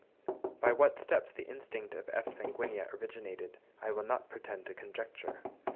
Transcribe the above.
By what steps the instinct of F. sanguinea originated I will not pretend to conjecture.